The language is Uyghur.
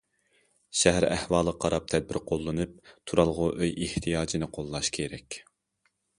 شەھەر ئەھۋالىغا قاراپ تەدبىر قوللىنىپ، تۇرالغۇ ئۆي ئېھتىياجىنى قوللاش كېرەك.